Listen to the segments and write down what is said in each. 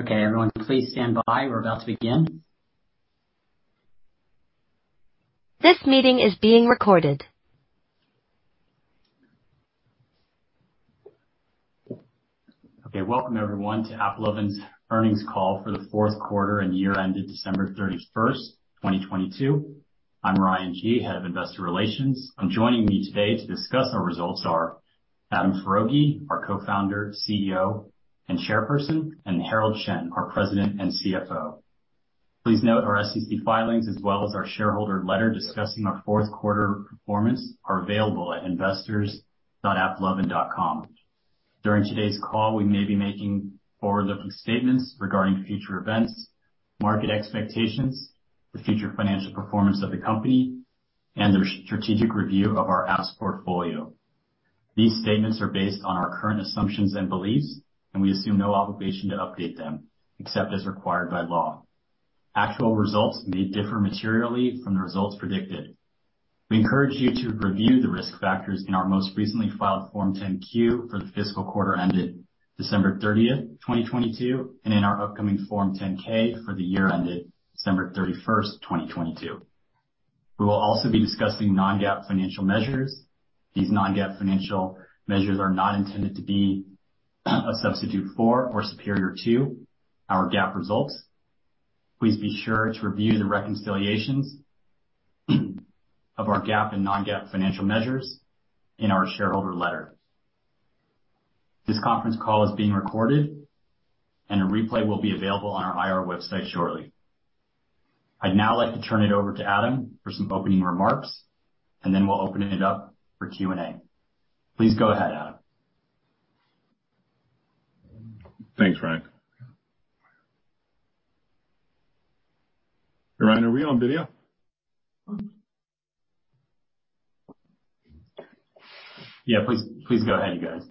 Okay, everyone, please stand by. We're about to begin. This meeting is being recorded. Okay. Welcome, everyone, to AppLovin's earnings call for the fourth quarter and year ended December 31st, 2022. I'm Ryan Gee, Head of Investor Relations. Joining me today to discuss our results are Adam Foroughi, our Co-Founder, CEO, and Chairperson, and Herald Chen, our President and CFO. Please note our SEC filings as well as our shareholder letter discussing our fourth quarter performance are available at investors.applovin.com. During today's call, we may be making forward-looking statements regarding future events, market expectations, the future financial performance of the company, and the strategic review of our app's portfolio. These statements are based on our current assumptions and beliefs, and we assume no obligation to update them except as required by law. Actual results may differ materially from the results predicted. We encourage you to review the risk factors in our most recently filed Form 10-Q for the fiscal quarter ended December 30th, 2022, and in our upcoming Form 10-K for the year ended December 31st, 2022. We will also be discussing non-GAAP financial measures. These non-GAAP financial measures are not intended to be a substitute for or superior to our GAAP results. Please be sure to review the reconciliations of our GAAP and non-GAAP financial measures in our shareholder letter. This conference call is being recorded, and a replay will be available on our IR website shortly. I'd now like to turn it over to Adam for some opening remarks, and then we'll open it up for Q&A. Please go ahead, Adam. Thanks, Ryan. Ryan, are we on video? Yeah. Please go ahead, you guys.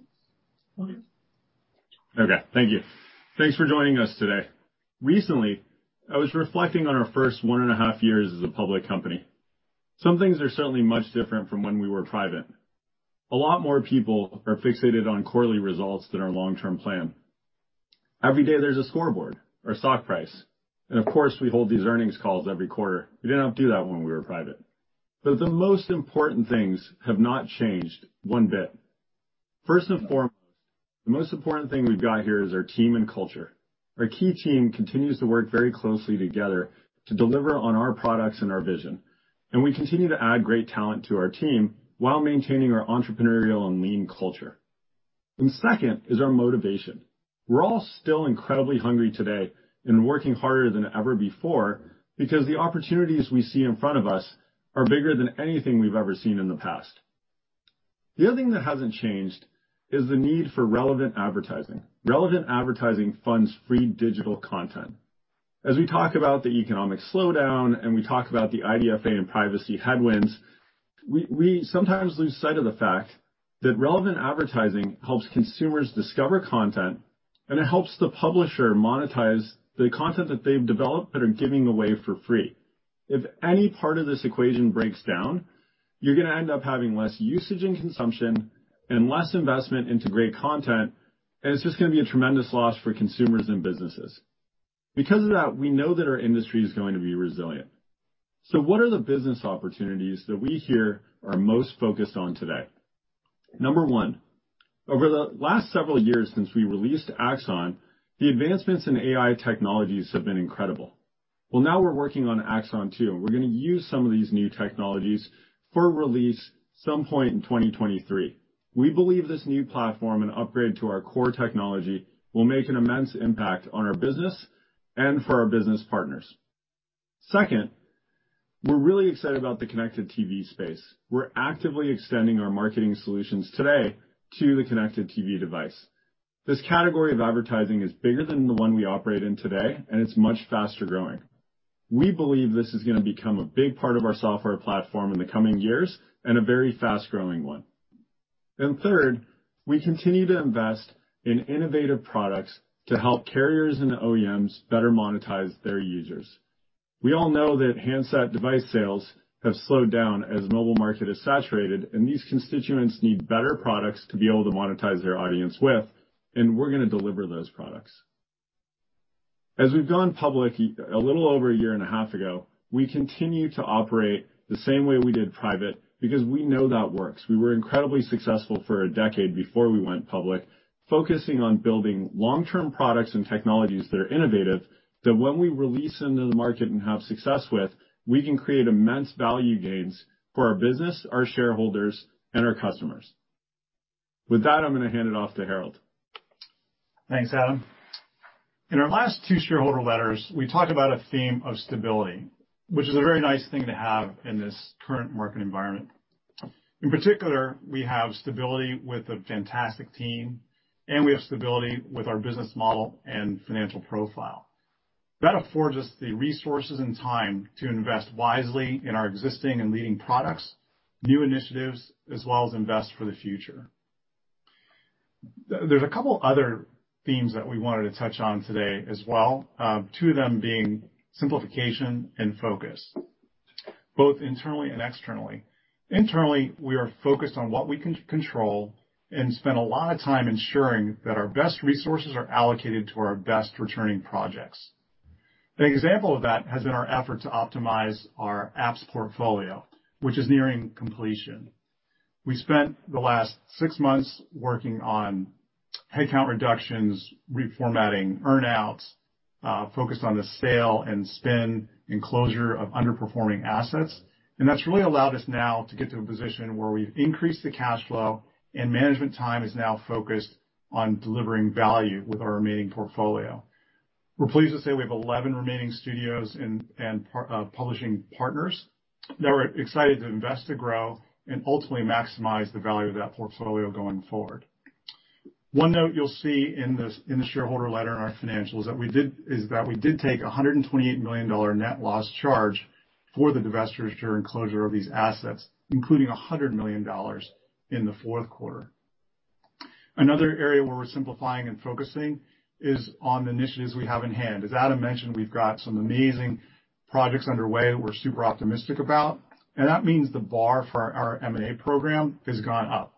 Okay. Thank you. Thanks for joining us today. Recently, I was reflecting on our first 1.5 years as a public company. Some things are certainly much different from when we were private. A lot more people are fixated on quarterly results than our long-term plan. Every day there's a scoreboard, our stock price, and of course, we hold these earnings calls every quarter. We didn't have to do that when we were private. The most important things have not changed one bit. First and foremost, the most important thing we've got here is our team and culture. Our key team continues to work very closely together to deliver on our products and our vision, and we continue to add great talent to our team while maintaining our entrepreneurial and lean culture. Second is our motivation. We're all still incredibly hungry today and working harder than ever before because the opportunities we see in front of us are bigger than anything we've ever seen in the past. The other thing that hasn't changed is the need for relevant advertising. Relevant advertising funds free digital content. As we talk about the economic slowdown, and we talk about the IDFA and privacy headwinds, we sometimes lose sight of the fact that relevant advertising helps consumers discover content, and it helps the publisher monetize the content that they've developed that are giving away for free. If any part of this equation breaks down, you're gonna end up having less usage and consumption and less investment into great content, and it's just gonna be a tremendous loss for consumers and businesses. Because of that, we know that our industry is going to be resilient. What are the business opportunities that we here are most focused on today? Number one, over the last several years since we released AXON, the advancements in AI technologies have been incredible. Well, now we're working on AXON 2, and we're gonna use some of these new technologies for release some point in 2023. We believe this new platform and upgrade to our core technology will make an immense impact on our business and for our business partners. Second, we're really excited about the connected TV space. We're actively extending our marketing solutions today to the connected TV device. This category of advertising is bigger than the one we operate in today, and it's much faster-growing. We believe this is gonna become a big part of our software platform in the coming years and a very fast-growing one. Third, we continue to invest in innovative products to help carriers and OEMs better monetize their users. We all know that handset device sales have slowed down as mobile market has saturated, and these constituents need better products to be able to monetize their audience with, and we're gonna deliver those products. As we've gone public a little over a year and a half ago, we continue to operate the same way we did private because we know that works. We were incredibly successful for a decade before we went public, focusing on building long-term products and technologies that are innovative, that when we release into the market and have success with, we can create immense value gains for our business, our shareholders, and our customers. With that, I'm gonna hand it off to Herald. Thanks, Adam. In our last two shareholder letters, we talked about a theme of stability, which is a very nice thing to have in this current market environment. In particular, we have stability with a fantastic team, and we have stability with our business model and financial profile. That affords us the resources and time to invest wisely in our existing and leading products, new initiatives, as well as invest for the future. There's a couple other themes that we wanted to touch on today as well, two of them being simplification and focus. Both internally and externally. Internally, we are focused on what we control and spend a lot of time ensuring that our best resources are allocated to our best returning projects. The example of that has been our effort to optimize our apps portfolio, which is nearing completion. We spent the last six months working on headcount reductions, reformatting earn-outs, focused on the sale and spin and closure of underperforming assets. That's really allowed us now to get to a position where we've increased the cash flow and management time is now focused on delivering value with our remaining portfolio. We're pleased to say we have 11 remaining studios and publishing partners that are excited to invest to grow and ultimately maximize the value of that portfolio going forward. One note you'll see in this, in the shareholder letter and our financials that we did take a $128 million net loss charge for the divestiture and closure of these assets, including $100 million in the fourth quarter. Another area where we're simplifying and focusing is on initiatives we have in-hand. As Adam mentioned, we've got some amazing projects underway we're super optimistic about, and that means the bar for our M&A program has gone up.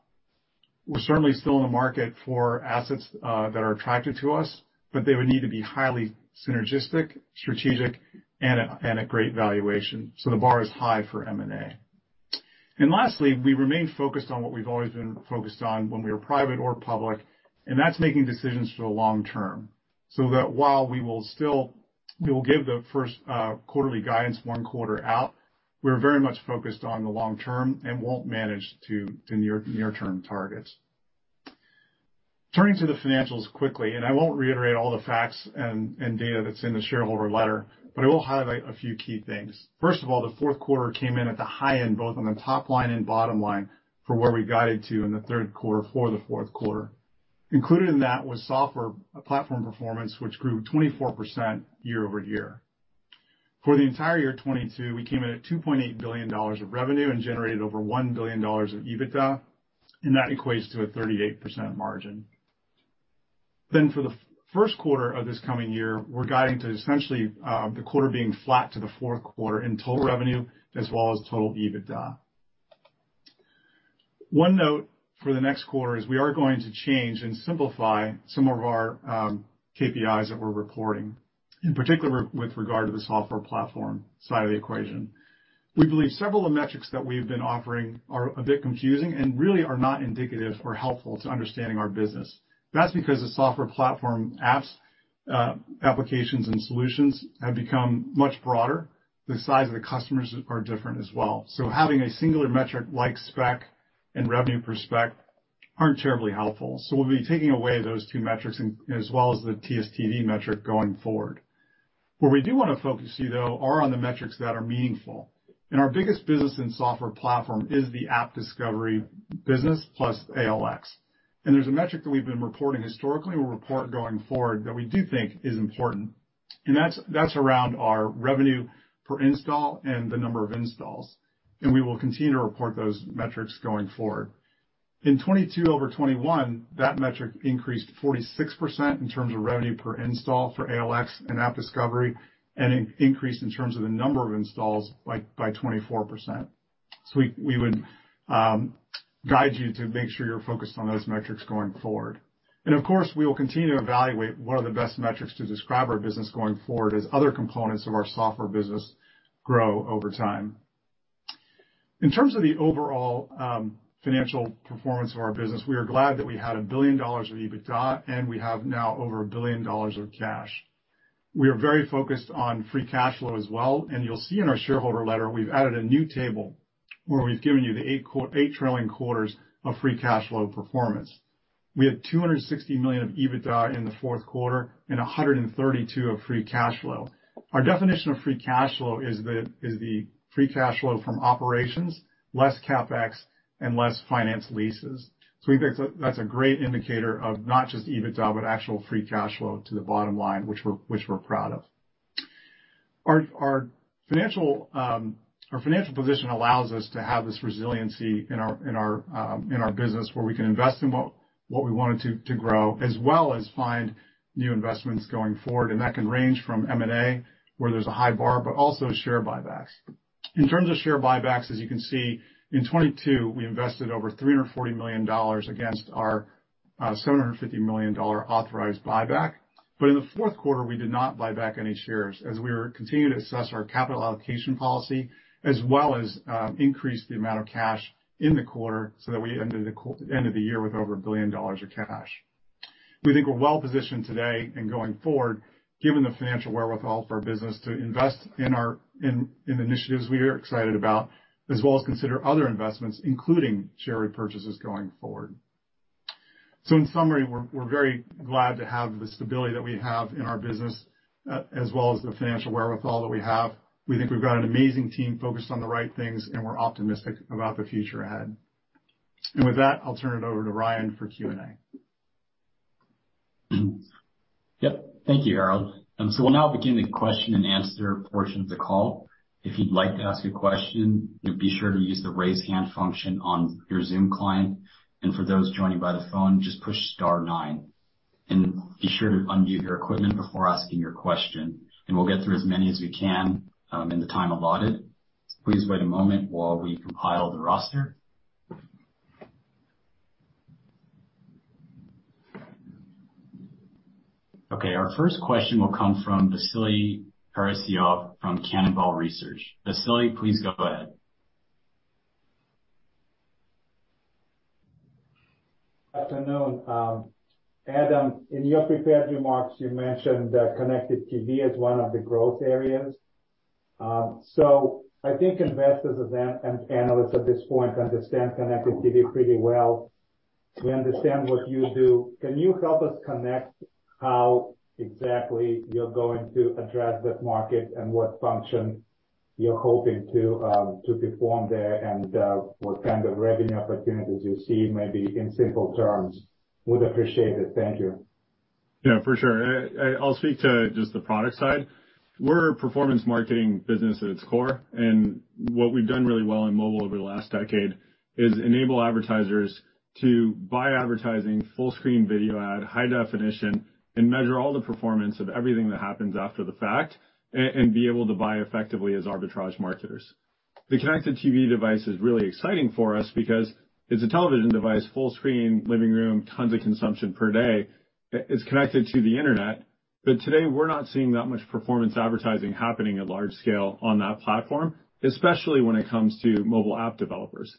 We're certainly still in the market for assets that are attractive to us, but they would need to be highly synergistic, strategic, and a great valuation. The bar is high for M&A. Lastly, we remain focused on what we've always been focused on when we were private or public, and that's making decisions for the long term so that while we will give the first quarterly guidance 1 quarter out, we're very much focused on the long term and won't manage to the near-term targets. Turning to the financials quickly, I won't reiterate all the facts and data that's in the shareholder letter, but I will highlight a few key things. First of all, the fourth quarter came in at the high end, both on the top line and bottom line from where we guided to in the third quarter for the fourth quarter. Included in that was software platform performance, which grew 24% year-over-year. For the entire year 2022, we came in at $2.8 billion of revenue and generated over $1 billion of EBITDA, and that equates to a 38% margin. For the first quarter of this coming year, we're guiding to essentially, the quarter being flat to the fourth quarter in total revenue as well as total EBITDA. One note for the next quarter is we are going to change and simplify some of our KPIs that we're reporting, in particular with regard to the software platform side of the equation. We believe several of the metrics that we've been offering are a bit confusing and really are not indicative or helpful to understanding our business. That's because the software platform apps, applications and solutions have become much broader. The size of the customers are different as well. Having a singular metric like SPEC and revenue per SPEC aren't terribly helpful. We'll be taking away those two metrics as well as the TSTV metric going forward. Where we do wanna focus you, though, are on the metrics that are meaningful. Our biggest business in software platform is the AppDiscovery business plus ALX. There's a metric that we've been reporting historically, we'll report going forward that we do think is important, and that's around our revenue per install and the number of installs, and we will continue to report those metrics going forward. In 2022 over 2021, that metric increased 46% in terms of revenue per install for ALX and AppDiscovery, and increased in terms of the number of installs by 24%. We would guide you to make sure you're focused on those metrics going forward. Of course, we will continue to evaluate what are the best metrics to describe our business going forward as other components of our software business grow over time. In terms of the overall financial performance of our business, we are glad that we had $1 billion of EBITDA, and we have now over $1 billion of cash. We are very focused on free cash flow as well. You'll see in our shareholder letter, we've added a new table where we've given you the eight trailing quarters of free cash flow performance. We had $260 million of EBITDA in the fourth quarter and $132 of free cash flow. Our definition of free cash flow is the free cash flow from operations, less CapEx and less finance leases. we think that's a great indicator of not just EBITDA, but actual free cash flow to the bottom line, which we're proud of. Our financial position allows us to have this resiliency in our business where we can invest in what we want it to grow as well as find new investments going forward. That can range from M&A, where there's a high bar, but also share buybacks. In terms of share buybacks, as you can see, in 2022, we invested over $340 million against our $750 million authorized buyback. In the fourth quarter, we did not buy back any shares as we were continuing to assess our capital allocation policy as well as increase the amount of cash in the quarter so that we ended the year with over $1 billion of cash. We think we're well-positioned today and going forward, given the financial wherewithal for our business to invest in initiatives we are excited about, as well as consider other investments, including share repurchases going forward. In summary, we're very glad to have the stability that we have in our business, as well as the financial wherewithal that we have. We think we've got an amazing team focused on the right things, and we're optimistic about the future ahead. With that, I'll turn it over to Ryan for Q&A. Yep. Thank you, Herald. We'll now begin the question and answer portion of the call. If you'd like to ask a question, be sure to use the Raise Hand function on your Zoom client. For those joining by the phone, just push star nine. Be sure to unmute your equipment before asking your question, and we'll get through as many as we can in the time allotted. Please wait a moment while we compile the roster. Our first question will come from Vasily Karasyov from Cannonball Research. Vasily, please go ahead. Afternoon. Adam, in your prepared remarks, you mentioned connected TV as one of the growth areas. I think investors and analysts at this point understand connected TV pretty well. We understand what you do. Can you help us connect how exactly you're going to address that market and what function you're hoping to perform there and what kind of revenue opportunities you see maybe in simple terms? Would appreciate it. Thank you. Yeah, for sure. I'll speak to just the product side. We're a performance marketing business at its core, and what we've done really well in mobile over the last decade is enable advertisers to buy advertising, full screen video ad, high definition, and measure all the performance of everything that happens after the fact and be able to buy effectively as arbitrage marketers. The connected TV device is really exciting for us because it's a television device, full screen, living room, tons of consumption per day. It's connected to the Internet. Today, we're not seeing that much performance advertising happening at large scale on that platform, especially when it comes to mobile app developers.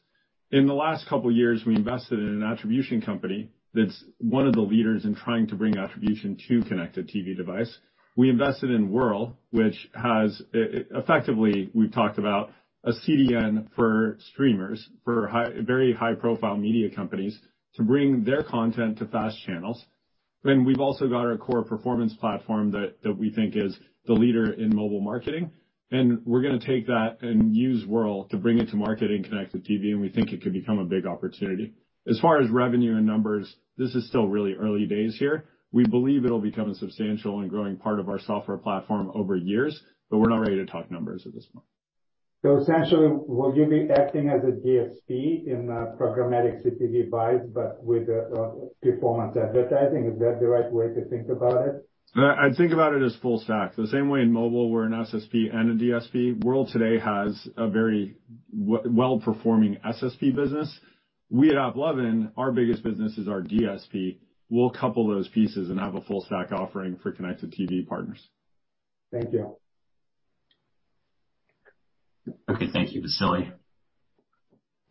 In the last couple of years, we invested in an attribution company that's one of the leaders in trying to bring attribution to connected TV device. We invested in Wurl, which has, effectively, we've talked about a CDN for streamers, for very high-profile media companies to bring their content to fast channels. We've also got our core performance platform that we think is the leader in mobile marketing. We're gonna take that and use Wurl to bring it to market in connected TV, and we think it could become a big opportunity. As far as revenue and numbers, this is still really early days here. We believe it'll become a substantial and growing part of our software platform over years, we're not ready to talk numbers at this point. Essentially, will you be acting as a DSP in a programmatic CTV buys, but with performance advertising? Is that the right way to think about it? I'd think about it as full stack. The same way in mobile, we're an SSP and a DSP. Wurl today has a very well-performing SSP business. We at AppLovin, our biggest business is our DSP. We'll couple those pieces and have a full stack offering for connected TV partners. Thank you. Okay. Thank you, Vasily.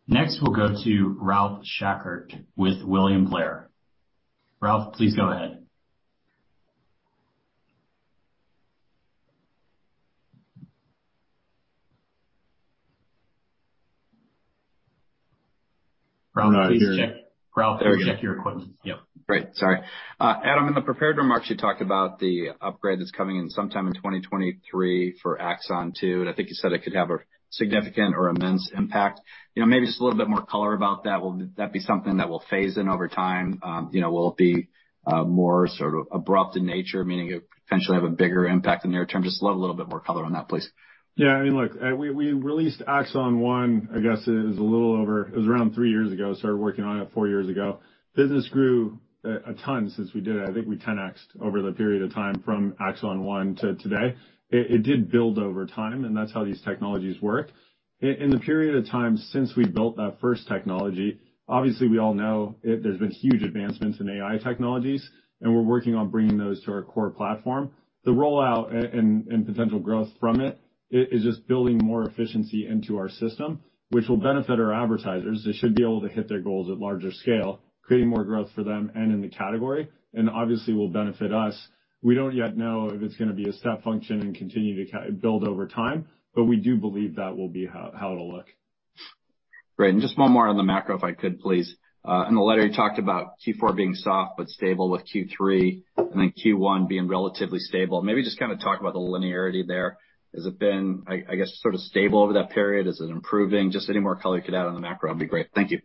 Next, we'll go to Ralph Schackart with William Blair. Ralph, please go ahead. Ralph, please check your equipment. Yep. Great. Sorry. Adam, in the prepared remarks, you talked about the upgrade that's coming in sometime in 2023 for AXON 2. I think you said it could have a significant or immense impact. You know, maybe just a little bit more color about that. Will that be something that will phase in over time? You know, will it be more sort of abrupt in nature, meaning it potentially have a bigger impact in near term? Just love a little bit more color on that, please. Yeah. I mean, look, we released AXON 1, I guess, it was around three years ago, started working on it four years ago. Business grew a ton since we did it. I think we 10x'd over the period of time from AXON 1 to today. It did build over time, and that's how these technologies work. In the period of time since we built that first technology, obviously, there's been huge advancements in AI technologies, and we're working on bringing those to our core platform. The rollout and potential growth from it is just building more efficiency into our system, which will benefit our advertisers. They should be able to hit their goals at larger scale, creating more growth for them and in the category, and obviously will benefit us. We don't yet know if it's gonna be a step function and continue to build over time, but we do believe that will be how it'll look. Great. Just one more on the macro, if I could, please. In the letter, you talked about Q4 being soft but stable with Q3, and then Q1 being relatively stable. Maybe just talk about the linearity there. Has it been, I guess, sort of stable over that period? Is it improving? Just any more color you could add on the macro would be great. Thank you.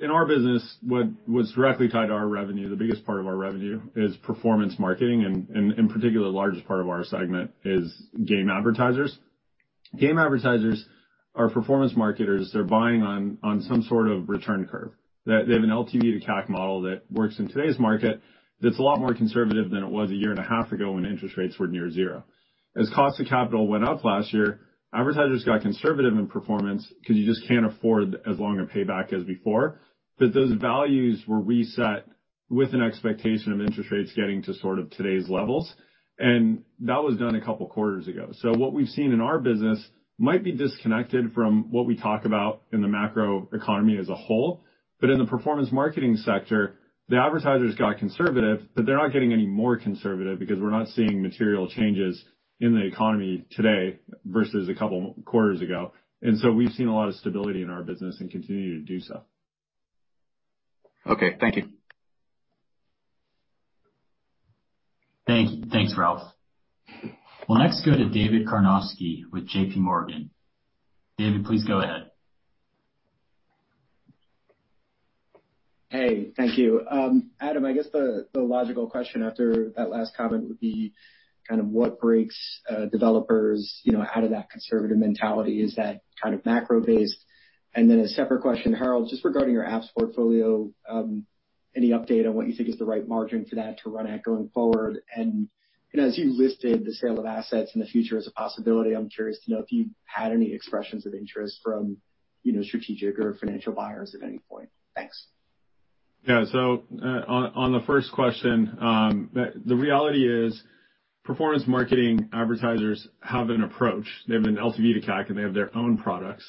In our business, what was directly tied to our revenue, the biggest part of our revenue is performance marketing, and in particular, the largest part of our segment is game advertisers. Game advertisers are performance marketers. They're buying on some sort of return curve. They have an LTV to CAC model that works in today's market that's a lot more conservative than it was one and a half years ago when interest rates were near zero. As cost of capital went up last year, advertisers got conservative in performance because you just can't afford as long a payback as before. Those values were reset with an expectation of interest rates getting to sort of today's levels, and that was done a couple quarters ago. What we've seen in our business might be disconnected from what we talk about in the macro economy as a whole. In the performance marketing sector, the advertisers got conservative, but they're not getting any more conservative because we're not seeing material changes in the economy today versus a couple quarters ago. We've seen a lot of stability in our business and continue to do so. Okay. Thank you. Thank you. Thanks, Ralph. We'll next go to David Karnovsky with J.P. Morgan. David, please go ahead. Hey. Thank you. Adam, I guess the logical question after that last comment would be kind of what breaks developers, you know, out of that conservative mentality? Is that kind of macro-based? A separate question, Herald, just regarding your apps portfolio. Any update on what you think is the right margin for that to run at going forward? You know, as you listed the sale of assets in the future as a possibility, I'm curious to know if you've had any expressions of interest from, you know, strategic or financial buyers at any point. Thanks. On the first question, the reality is performance marketing advertisers have an approach. They have an LTV to CAC, and they have their own products.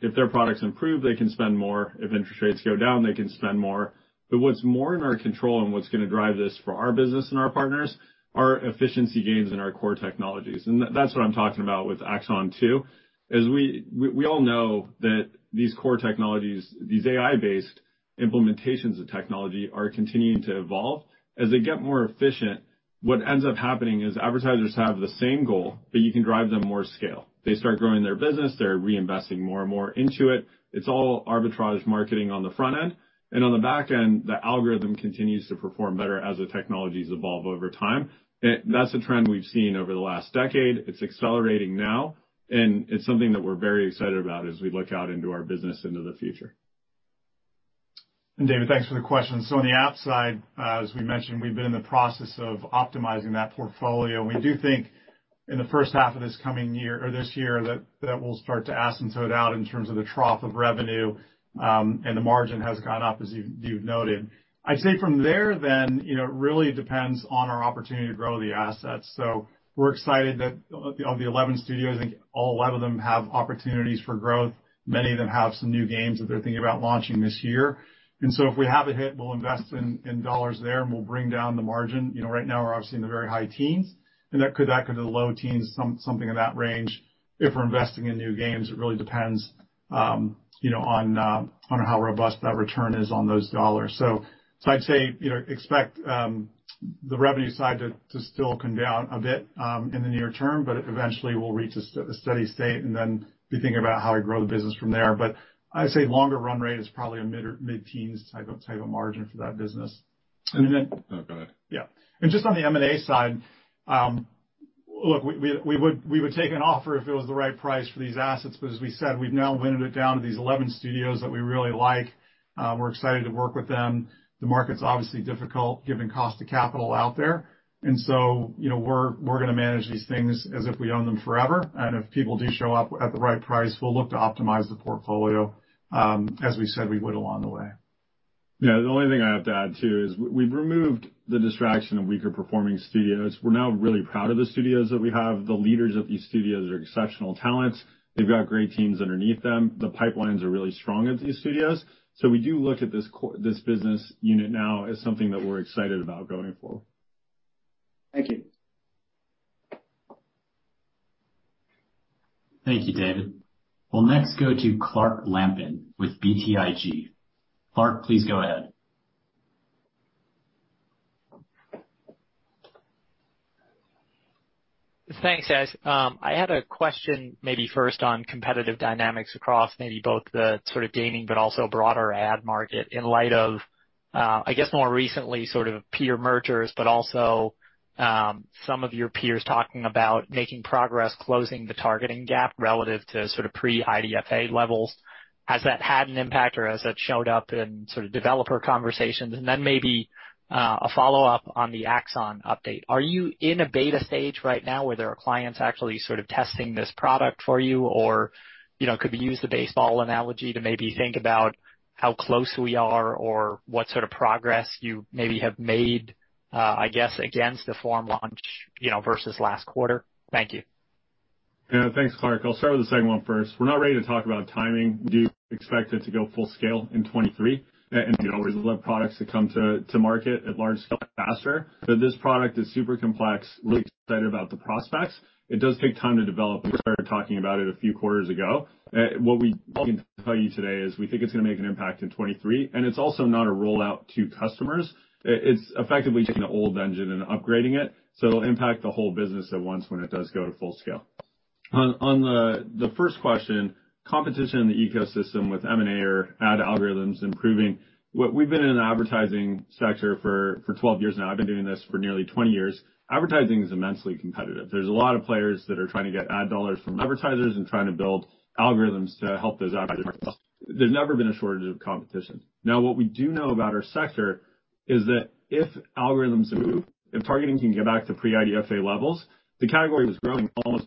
If their products improve, they can spend more. If interest rates go down, they can spend more. What's more in our control and what's gonna drive this for our business and our partners are efficiency gains in our core technologies. And that's what I'm talking about with AXON 2. As we all know that these core technologies, these AI-based implementations of technology are continuing to evolve. As they get more efficient, what ends up happening is advertisers have the same goal, but you can drive them more scale. They start growing their business. They're reinvesting more and more into it. It's all arbitrage marketing on the front end. On the back end, the algorithm continues to perform better as the technologies evolve over time. That's a trend we've seen over the last decade. It's accelerating now, and it's something that we're very excited about as we look out into our business into the future. David, thanks for the question. On the app side, as we mentioned, we've been in the process of optimizing that portfolio. We do think in the first half of this coming year or this year, that will start to asymptote out in terms of the trough of revenue, and the margin has gone up, as you've noted. I'd say from there then, you know, it really depends on our opportunity to grow the assets. We're excited that of the 11 studios, I think all 11 of them have opportunities for growth. Many of them have some new games that they're thinking about launching this year. If we have a hit, we'll invest in dollars there, and we'll bring down the margin. You know, right now we're obviously in the very high teens, and that could back into the low teens, something in that range. If we're investing in new games, it really depends, you know, on how robust that return is on those dollars. I'd say, you know, expect the revenue side to still come down a bit in the near term, but it eventually will reach a steady state and then be thinking about how we grow the business from there. I'd say longer run rate is probably a mid or mid-teens type of margin for that business. No, go ahead. Yeah. Just on the M&A side, look, we would take an offer if it was the right price for these assets, but as we said, we've now winnowed it down to these 11 studios that we really like. We're excited to work with them. The market's obviously difficult given cost of capital out there. You know, we're gonna manage these things as if we own them forever. If people do show up at the right price, we'll look to optimize the portfolio, as we said we would along the way. Yeah. The only thing I'd add too is we've removed the distraction of weaker performing studios. We're now really proud of the studios that we have. The leaders of these studios are exceptional talents. They've got great teams underneath them. The pipelines are really strong at these studios. We do look at this business unit now as something that we're excited about going forward. Thank you. Thank you, David. We'll next go to Clark Lampen with BTIG. Clark, please go ahead. Thanks, guys. I had a question maybe first on competitive dynamics across maybe both the sort of gaming but also broader ad market in light of, I guess more recently sort of peer mergers, but also, some of your peers talking about making progress closing the targeting gap relative to sort of pre-IDFA levels. Has that had an impact or has that showed up in sort of developer conversations? Maybe, a follow-up on the AXON update. Are you in a beta stage right now where there are clients actually sort of testing this product for you? Or, you know, could we use the baseball analogy to maybe think about how close we are or what sort of progress you maybe have made, I guess against the form launch, you know, versus last quarter? Thank you. Yeah. Thanks, Clark. I'll start with the second one first. We're not ready to talk about timing. We do expect it to go full scale in 2023. You know, we'd love products that come to market at large scale faster. This product is super complex. Really excited about the prospects. It does take time to develop. We started talking about it a few quarters ago. What we can tell you today is we think it's gonna make an impact in 2023, and it's also not a rollout to customers. It's effectively taking an old engine and upgrading it, so it'll impact the whole business at once when it does go to full scale. On the first question, competition in the ecosystem with M&A or ad algorithms improving. We've been in an advertising sector for 12 years now. I've been doing this for nearly 20 years. Advertising is immensely competitive. There's a lot of players that are trying to get ad dollars from advertisers and trying to build algorithms to help those advertisers. There's never been a shortage of competition. Now, what we do know about our sector is that if algorithms improve, if targeting can get back to pre-IDFA levels, the category was growing almost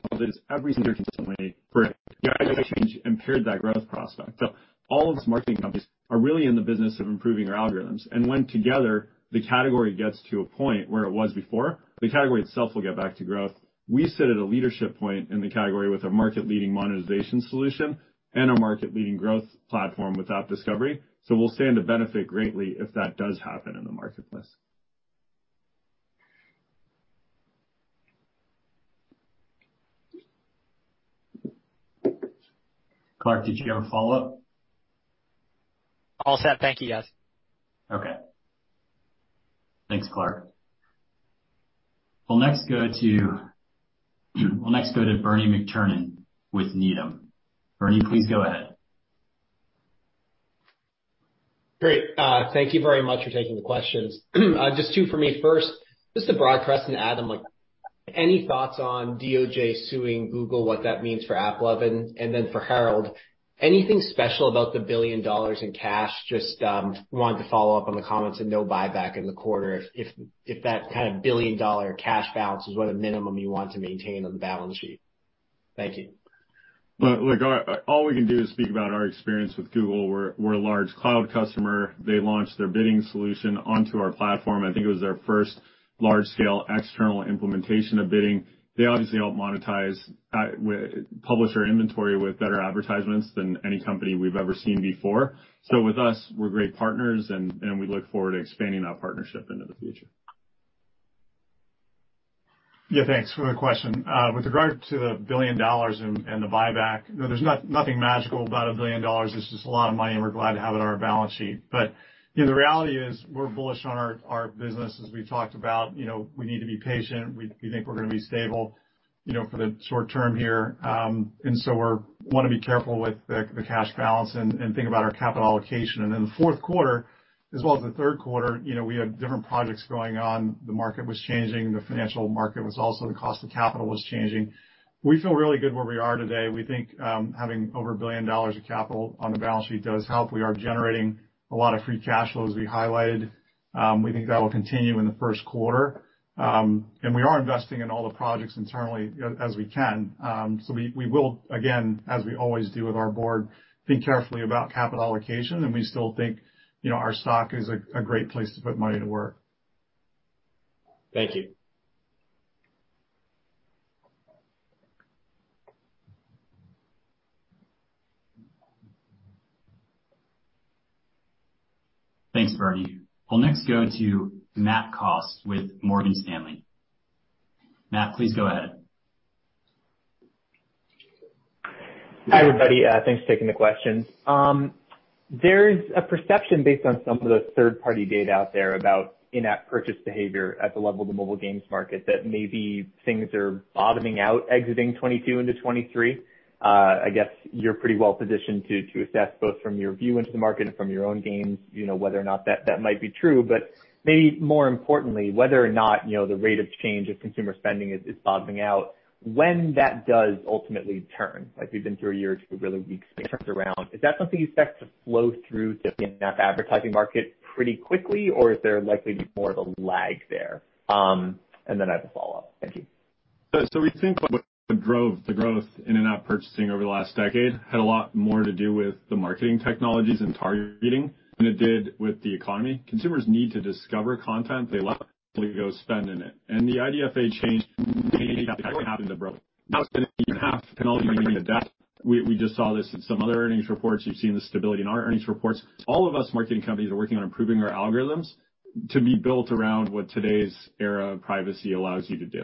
every single way for it. The IDFA change impaired that growth prospect. All of these marketing companies are really in the business of improving our algorithms. When together, the category gets to a point where it was before, the category itself will get back to growth. We sit at a leadership point in the category with our market-leading monetization solution and our market-leading growth platform with AppDiscovery. We'll stand to benefit greatly if that does happen in the marketplace. Clark, did you have a follow-up? All set. Thank you, guys. Okay. Thanks, Clark. We'll next go to Bernie McTernan with Needham. Bernie, please go ahead. Great. thank you very much for taking the questions. just two for me. First, just a broad question to Adam. Any thoughts on DOJ suing Google, what that means for AppLovin? For Herald, anything special about the $1 billion in cash? Just wanted to follow up on the comments and no buyback in the quarter if that kind of $1 billion cash balance is what a minimum you want to maintain on the balance sheet. Thank you. Look, all we can do is speak about our experience with Google. We're a large cloud customer. They launched their bidding solution onto our platform. I think it was their first large-scale external implementation of bidding. They obviously help monetize publisher inventory with better advertisements than any company we've ever seen before. With us, we're great partners and we look forward to expanding that partnership into the future. Thanks for the question. With regard to the $1 billion and the buyback, no there's nothing magical about $1 billion. It's just a lot of money, and we're glad to have it on our balance sheet. You know, the reality is we're bullish on our business. As we talked about, you know, we need to be patient. We think we're gonna be stable, you know, for the short term here. We wanna be careful with the cash balance and think about our capital allocation. In the fourth quarter as well as the third quarter, you know, we had different projects going on. The market was changing. The financial market was also, the cost of capital was changing. We feel really good where we are today. We think, having over $1 billion of capital on the balance sheet does help. We are generating a lot of free cash flow, as we highlighted. We think that will continue in the first quarter. We are investing in all the projects internally as we can. We will again, as we always do with our board, think carefully about capital allocation and we still think, you know, our stock is a great place to put money to work. Thank you. Thanks, Bernie. We'll next go to Matthew Cost with Morgan Stanley. Matt, please go ahead. Hi, everybody. Thanks for taking the questions. There is a perception based on some of the third-party data out there about in-app purchase behavior at the level of the mobile games market that maybe things are bottoming out exiting 2022 into 2023. I guess you're pretty well positioned to assess both from your view into the market and from your own games, you know, whether or not that might be true. Maybe more importantly, whether or not, you know, the rate of change of consumer spending is bottoming out. When that does ultimately turn, like we've been through a year or two of really weak space turns around, is that something you expect to flow through to the in-app advertising market pretty quickly, or is there likely to be more of a lag there? Then I have a follow-up. Thank you. We think what drove the growth in in-app purchasing over the last decade had a lot more to do with the marketing technologies and targeting than it did with the economy. Consumers need to discover content they love to go spend in it. The IDFA change happened abruptly. Now it's been a year and a half. We just saw this in some other earnings reports. You've seen the stability in our earnings reports. All of us marketing companies are working on improving our algorithms to be built around what today's era of privacy allows you to do.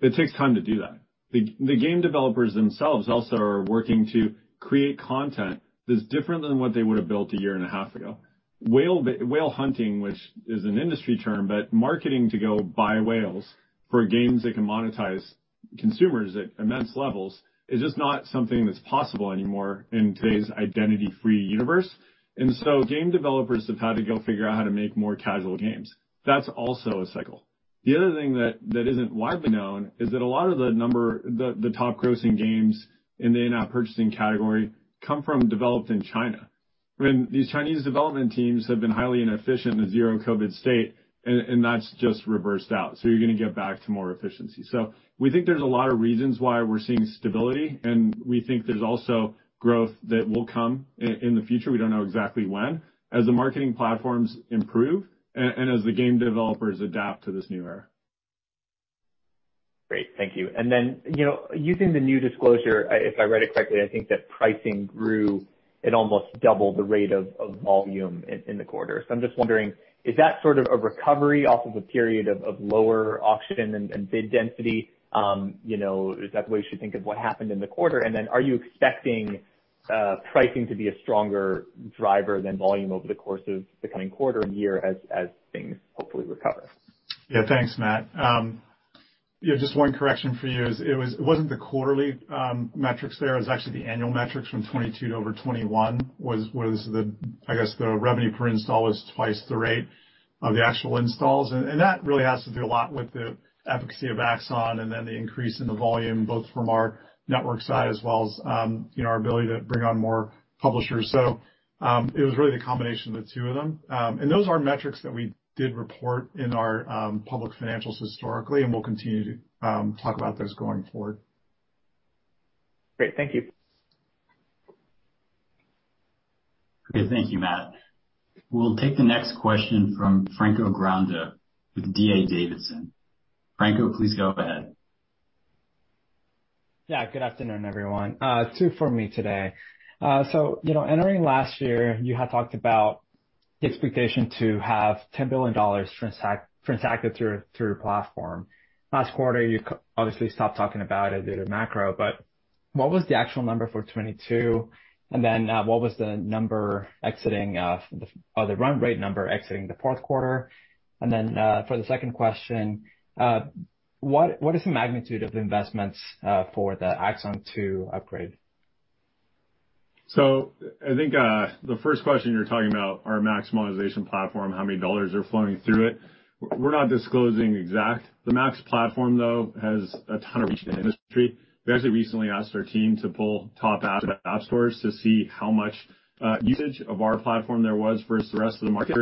It takes time to do that. The game developers themselves also are working to create content that's different than what they would've built a year and a half ago. Whale hunting, which is an industry term, Marketing to go buy whales for games that can monetize consumers at immense levels is just not something that's possible anymore in today's identity free universe. Game developers have had to go figure out how to make more casual games. That's also a cycle. The other thing that isn't widely known is that a lot of the top grossing games in the in-app purchasing category come from developed in China. These Chinese development teams have been highly inefficient in the zero COVID state, and that's just reversed out, so you're gonna get back to more efficiency. We think there's a lot of reasons why we're seeing stability, and we think there's also growth that will come in the future. We don't know exactly when. As the marketing platforms improve and as the game developers adapt to this new era. Great. Thank you. You know, using the new disclosure, if I read it correctly, I think that pricing grew at almost double the rate of volume in the quarter. I'm just wondering, is that sort of a recovery off of a period of lower auction and bid density? You know, is that the way you should think of what happened in the quarter? Are you expecting pricing to be a stronger driver than volume over the course of the coming quarter and year as things hopefully recover? Yeah. Thanks, Matt. Yeah, just one correction for you is it wasn't the quarterly metrics there. It was actually the annual metrics from 2022 to over 2021 was the, I guess, the revenue per install was twice the rate of the actual installs. That really has to do a lot with the efficacy of AXON and then the increase in the volume, both from our network side as well as, you know, our ability to bring on more publishers. It was really the combination of the two of them. Those are metrics that we did report in our public financials historically, and we'll continue to talk about those going forward. Great. Thank you. Thank you, Matt. We'll take the next question from Franco Granda with D.A. Davidson. Franco, please go ahead. Good afternoon, everyone. Two for me today. You know, entering last year, you had talked about the expectation to have $10 billion transacted through your platform. Last quarter, you obviously stopped talking about it due to macro, but what was the actual number for 2022? What was the number exiting, or the run rate number exiting the fourth quarter? For the second question, what is the magnitude of investments for the AXON to upgrade? I think the first question you're talking about our maximization platform, how many dollars are flowing through it. We're not disclosing exact. The MAX platform, though, has a ton of reach in industry. We actually recently asked our team to pull top app stores to see how much usage of our platform there was versus the rest of the market.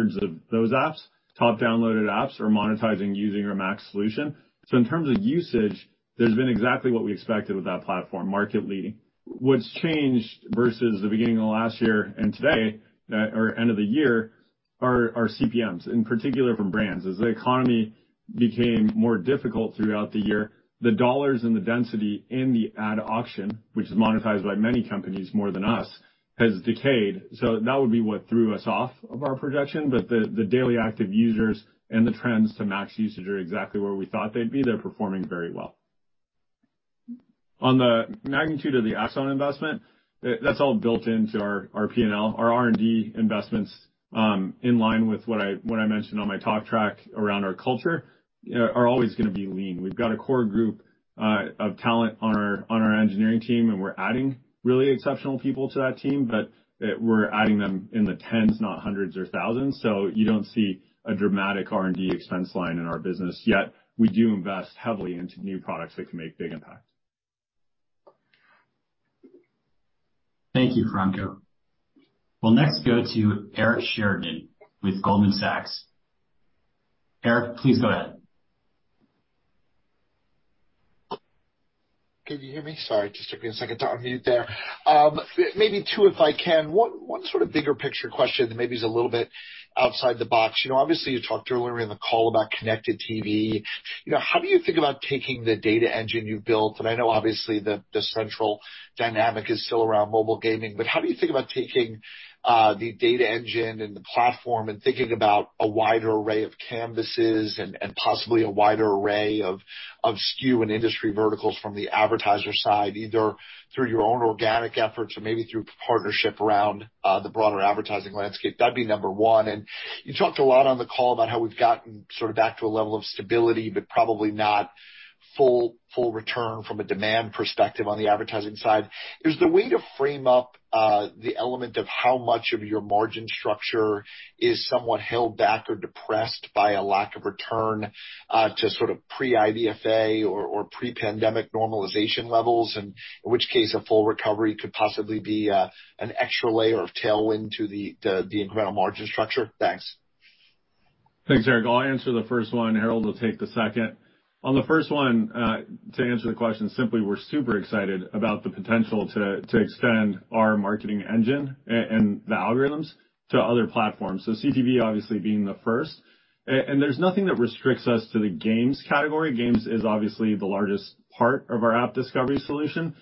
Those apps, top downloaded apps are monetizing using our MAX solution. In terms of usage, there's been exactly what we expected with that platform, market leading. What's changed versus the beginning of last year and today, or end of the year, are CPMs, in particular from brands. As the economy became more difficult throughout the year, the dollars and the density in the ad auction, which is monetized by many companies more than us, has decayed. That would be what threw us off of our projection. The daily active users and the trends to MAX usage are exactly where we thought they'd be. They're performing very well. On the magnitude of the AXON investment, that's all built into our P&L. Our R&D investments, in line with what I mentioned on my talk track around our culture are always gonna be lean. We've got a core group of talent on our engineering team, and we're adding really exceptional people to that team, but we're adding them in the tens, not hundreds or thousands. You don't see a dramatic R&D expense line in our business, yet we do invest heavily into new products that can make big impact. Thank you, Franco. We'll next go to Eric Sheridan with Goldman Sachs. Eric, please go ahead. Can you hear me? Sorry, it just took me a second to unmute there. Maybe two, if I can. One sort of bigger picture question that maybe is a little bit outside the box. You know, obviously you talked earlier in the call about connected TV. You know, how do you think about taking the data engine you've built, and I know obviously the central dynamic is still around mobile gaming, but how do you think about taking the data engine and the platform and thinking about a wider array of canvases and possibly a wider array of SKU and industry verticals from the advertiser side, either through your own organic efforts or maybe through partnership around the broader advertising landscape? That'd be number one. You talked a lot on the call about how we've gotten sort of back to a level of stability, but probably not full return from a demand perspective on the advertising side. Is there a way to frame up the element of how much of your margin structure is somewhat held back or depressed by a lack of return, to sort of pre-IDFA or pre-pandemic normalization levels? In which case a full recovery could possibly be an extra layer of tailwind to the incremental margin structure. Thanks. Thanks, Eric. I'll answer the first one. Herald will take the second. On the first one, to answer the question simply, we're super excited about the potential to extend our marketing engine and the algorithms to other platforms. CTV obviously being the first. There's nothing that restricts us to the games category. Games is obviously the largest part of our AppDiscovery solution.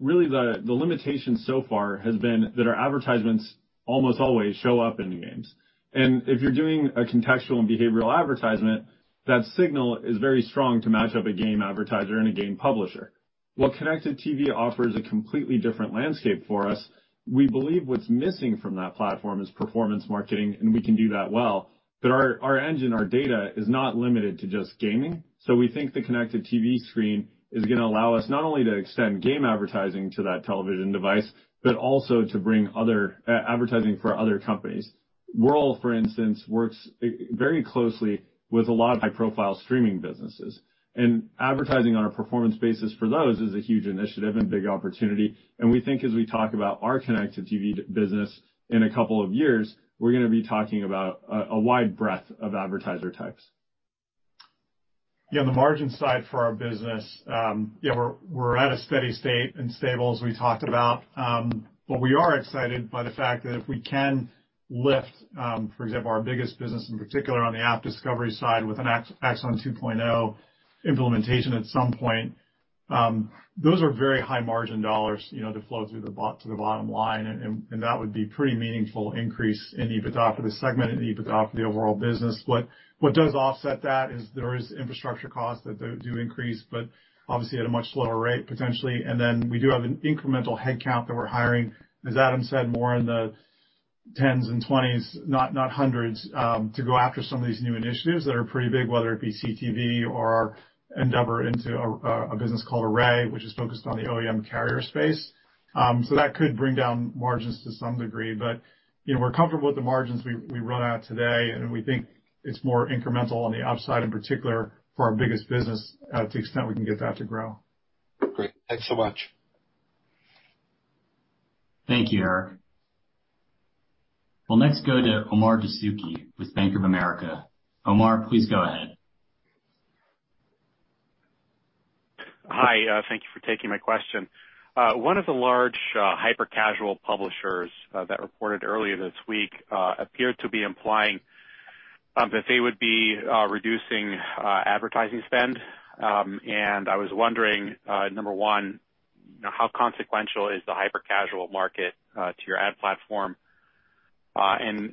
Really the limitation so far has been that our advertisements almost always show up in the games. If you're doing a contextual and behavioral advertisement, that signal is very strong to match up a game advertiser and a game publisher. What connected TV offers a completely different landscape for us. We believe what's missing from that platform is performance marketing, and we can do that well. Our engine, our data is not limited to just gaming. We think the connected TV screen is gonna allow us not only to extend game advertising to that television device, but also to bring other advertising for other companies. Wurl, for instance, works very closely with a lot of high-profile streaming businesses, and advertising on a performance basis for those is a huge initiative and big opportunity. We think as we talk about our connected TV business in a couple of years, we're gonna be talking about a wide breadth of advertiser types. Yeah, on the margin side for our business, yeah, we're at a steady state and stable as we talked about. We are excited by the fact that if we can lift, for example, our biggest business in particular on the AppDiscovery side with an AXON 2.0 implementation at some point, those are very high margin dollars, you know, that flow through to the bottom line, and that would be pretty meaningful increase in EBITDA for the segment and EBITDA for the overall business. What does offset that is there is infrastructure costs that do increase, but obviously at a much slower rate potentially. We do have an incremental headcount that we're hiring, as Adam said, more in the tens and 20s, not 100s, to go after some of these new initiatives that are pretty big, whether it be CTV or our endeavor into a business called Array, which is focused on the OEM carrier space. That could bring down margins to some degree. But, you know, we're comfortable with the margins we run at today, and we think it's more incremental on the upside in particular for our biggest business, to the extent we can get that to grow. Great. Thanks so much. Thank you, Eric. We'll next go to Omar Dessouky with Bank of America. Omar, please go ahead. Hi, thank you for taking my question. One of the large hyper casual publishers that reported earlier this week appeared to be implying that they would be reducing advertising spend. I was wondering, number one, how consequential is the hyper casual market to your ad platform?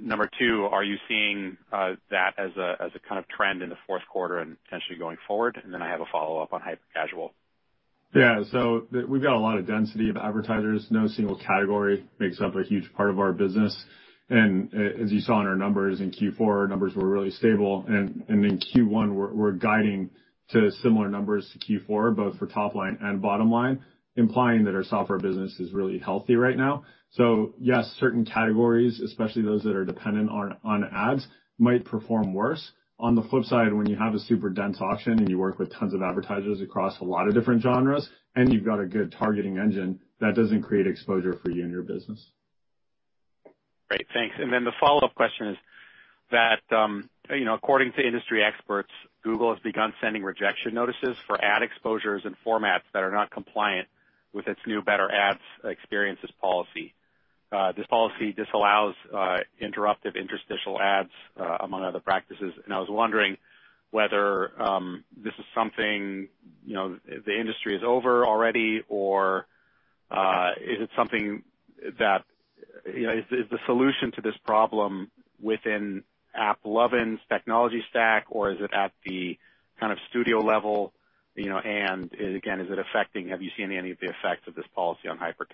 Number two, are you seeing that as a kind of trend in the fourth quarter and potentially going forward? I have a follow-up on hyper casual. We've got a lot of density of advertisers. No single category makes up a huge part of our business. As you saw in our numbers in Q4, our numbers were really stable. And in Q1 we're guiding to similar numbers to Q4, both for top line and bottom line, implying that our software business is really healthy right now. Yes, certain categories, especially those that are dependent on ads, might perform worse. On the flip side, when you have a super dense auction and you work with tons of advertisers across a lot of different genres, and you've got a good targeting engine, that doesn't create exposure for you and your business. Great. Thanks. The follow-up question is that, you know, according to industry experts, Google has begun sending rejection notices for ad exposures and formats that are not compliant with its new better ads experiences policy. This policy disallows interruptive interstitial ads among other practices. I was wondering whether this is something, you know, the industry is over already or is it something that, you know? Is the solution to this problem within AppLovin's technology stack, or is it at the kind of studio level, you know? Again, have you seen any of the effects of this policy on hyper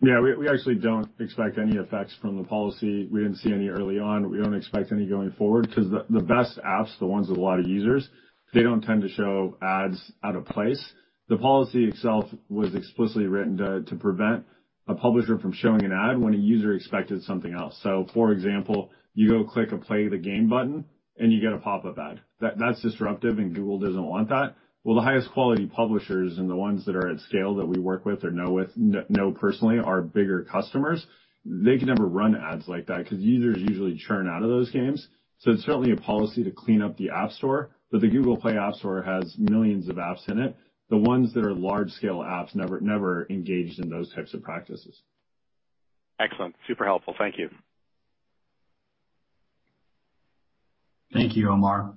casual? We actually don't expect any effects from the policy. We didn't see any early on. We don't expect any going forward because the best apps, the ones with a lot of users, they don't tend to show ads out of place. The policy itself was explicitly written to prevent a publisher from showing an ad when a user expected something else. For example, you go click a play the game button and you get a pop-up ad. That's disruptive and Google doesn't want that. The highest quality publishers and the ones that are at scale that we work with or know personally are bigger customers. They can never run ads like that because users usually churn out of those games. It's certainly a policy to clean up the App Store. The Google Play App Store has millions of apps in it. The ones that are large scale apps never engaged in those types of practices. Excellent. Super helpful. Thank you. Thank you, Omar.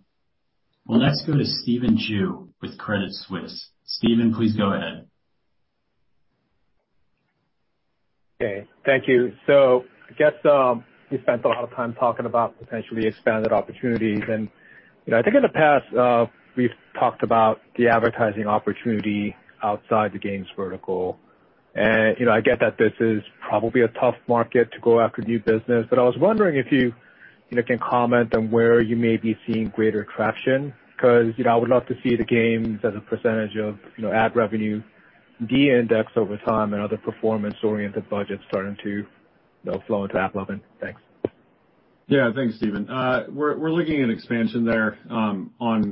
We'll next go to Stephen Ju with Credit Suisse. Stephen, please go ahead. Okay, thank you. I guess, you spent a lot of time talking about potentially expanded opportunities. You know, I think in the past, we've talked about the advertising opportunity outside the games vertical. You know, I get that this is probably a tough market to go after new business. I was wondering if you know, can comment on where you may be seeing greater traction because, you know, I would love to see the games as a % of, you know, ad revenue de-index over time and other performance-oriented budgets starting to, you know, flow into AppLovin. Thanks. Yeah. Thanks, Stephen Ju. We're looking at expansion there, on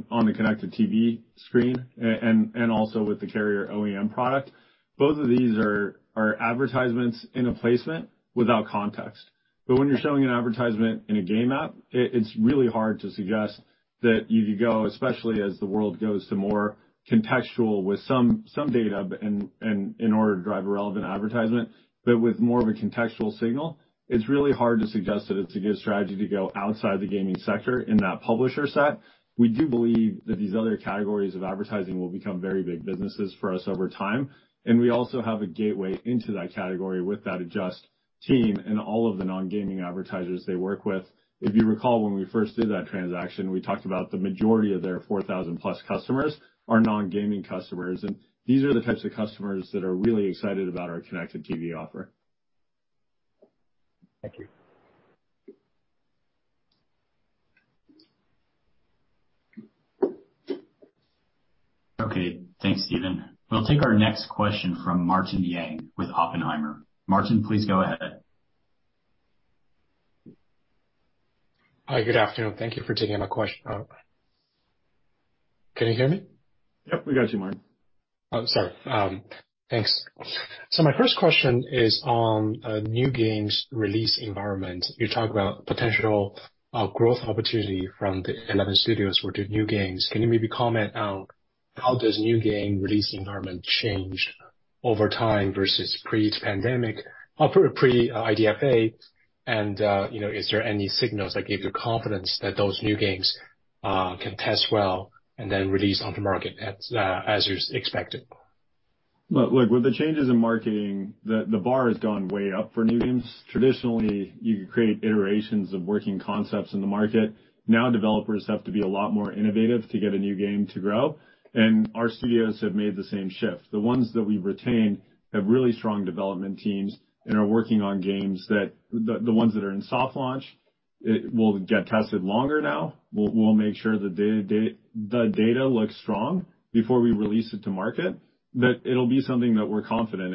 the connected TV screen and also with the carrier OEM product. Both of these are advertisements in a placement without context. When you're showing an advertisement in a game app, it's really hard to suggest that you could go, especially as the world goes to more contextual with some data in order to drive a relevant advertisement, but with more of a contextual signal. It's really hard to suggest that it's a good strategy to go outside the gaming sector in that publisher set. We do believe that these other categories of advertising will become very big businesses for us over time, and we also have a gateway into that category with that Adjust team and all of the non-gaming advertisers they work with. If you recall, when we first did that transaction, we talked about the majority of their 4,000+ customers are non-gaming customers. These are the types of customers that are really excited about our connected TV offer. Thank you. Okay. Thanks, Stephen. We'll take our next question from Martin Yang with Oppenheimer. Martin, please go ahead. Hi, good afternoon. Thank you for taking my quest. Can you hear me? Yep, we got you, Martin. Sorry. Thanks. My first question is on new games release environment. You talk about potential growth opportunity from the 11 studios for the new games. Can you maybe comment on how does new game release environment change over time versus pre-pandemic or pre-IDFA? You know, is there any signals that give you confidence that those new games can test well and then release onto market as you expected? Look, with the changes in marketing, the bar has gone way up for new games. Traditionally, you could create iterations of working concepts in the market. Now, developers have to be a lot more innovative to get a new game to grow, and our studios have made the same shift. The ones that we've retained have really strong development teams and are working on games that the ones that are in soft launch, it will get tested longer now. We'll make sure that the data looks strong before we release it to market, that it'll be something that we're confident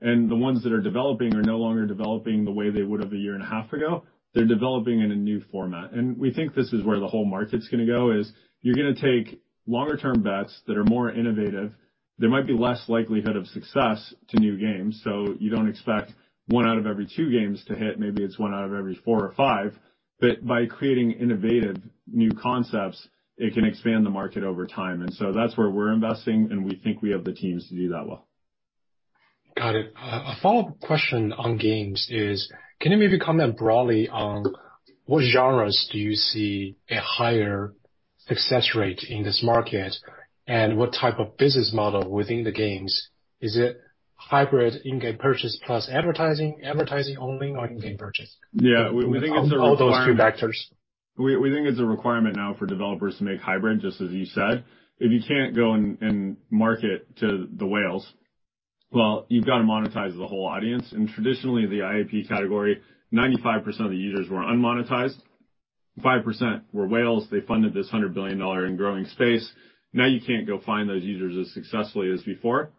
in. The ones that are developing are no longer developing the way they would have a year and a half ago. They're developing in a new format. We think this is where the whole market's gonna go, is you're gonna take longer term bets that are more innovative. There might be less likelihood of success to new games. You don't expect one out of every two games to hit. Maybe it's one out of every four or five. By creating innovative new concepts, it can expand the market over time. That's where we're investing, and we think we have the teams to do that well. Got it. A follow-up question on games is, can you maybe comment broadly on what genres do you see a higher success rate in this market, and what type of business model within the games? Is it hybrid in-game purchase plus advertising only or in-game purchase? Yeah. We think it's a requirement. All those three factors. We think it's a requirement now for developers to make hybrid, just as you said. If you can't go and market to the whales, well, you've got to monetize the whole audience. Traditionally, the IAP category, 95% of the users were unmonetized, 5% were whales. They funded this $100 billion in growing space. You can't go find those users as successfully as before,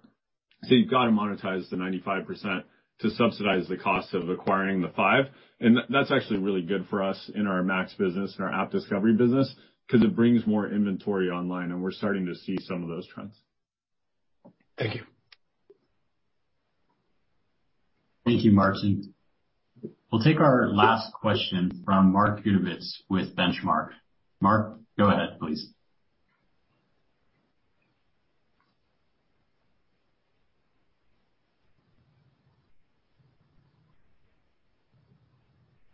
so you've got to monetize the 95% to subsidize the cost of acquiring the 5%. That's actually really good for us in our MAX business and our AppDiscovery business because it brings more inventory online, and we're starting to see some of those trends. Thank you. Thank you, Martin. We'll take our last question from Mark Zgutowicz with Benchmark. Mark, go ahead, please.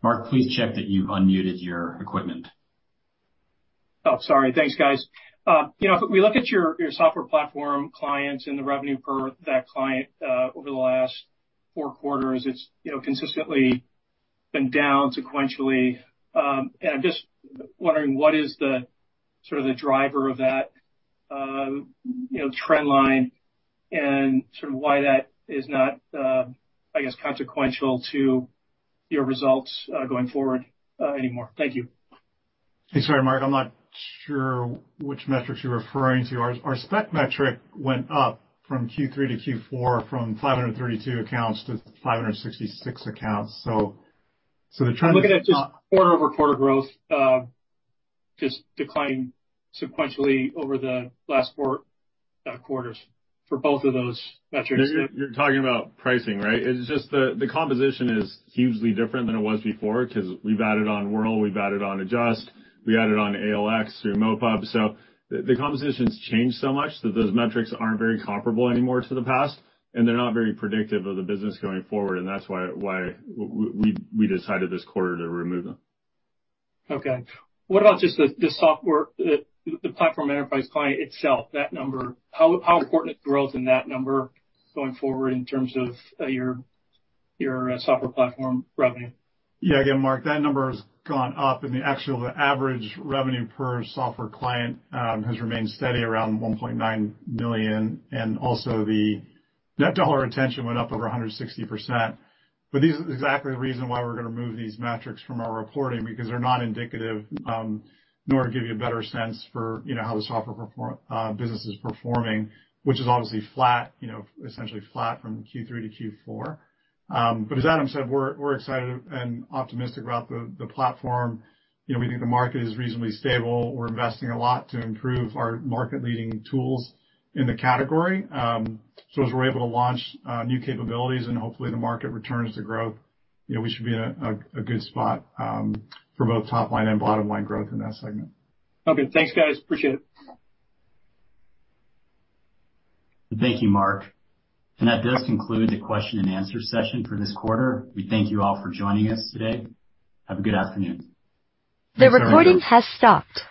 Mark, please check that you've unmuted your equipment. Oh, sorry. Thanks, guys. You know, if we look at your software platform clients and the revenue per that client, over the last four quarters, it's, you know, consistently been down sequentially. I'm just wondering what is the sort of the driver of that, you know, trend line and sort of why that is not, I guess, consequential to your results, going forward, anymore? Thank you. Thanks very much Mark. I'm not sure which metrics you're referring to. Our SPEC metric went up from Q3 to Q4, from 532 accounts to 566 accounts. I'm looking at just quarter-over-quarter growth, just declined sequentially over the last four quarters for both of those metrics. You're talking about pricing, right? It's just the composition is hugely different than it was before because we've added on Wurl, we've added on Adjust, we added on ALX through MoPub. The composition's changed so much that those metrics aren't very comparable anymore to the past, and they're not very predictive of the business going forward. That's why we decided this quarter to remove them. Okay. What about just the software, the platform enterprise client itself, that number? How important is growth in that number going forward in terms of your software platform revenue? Yeah. Again, Mark, that number has gone up and the actual average revenue per software client has remained steady around $1.9 million. The net dollar retention went up over 160%. These are exactly the reason why we're going to move these metrics from our reporting because they're not indicative, nor give you a better sense for, you know, how the software business is performing, which is obviously flat, you know, essentially flat from Q3 to Q4. As Adam said, we're excited and optimistic about the platform. You know, we think the market is reasonably stable. We're investing a lot to improve our market-leading tools in the category. As we're able to launch new capabilities and hopefully the market returns to growth, you know, we should be in a good spot for both top line and bottom line growth in that segment. Okay. Thanks, guys. Appreciate it. Thank you, Mark. That does conclude the question and answer session for this quarter. We thank you all for joining us today. Have a good afternoon. The recording has stopped.